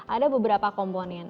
ada beberapa komponen